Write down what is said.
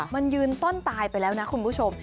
มันยืนต้นตายไปแล้วนะคุณผู้ชม